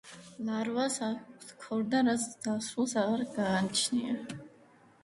ლარვას აქვს ქორდა, რაც ზრდასრულს აღარ გააჩნია.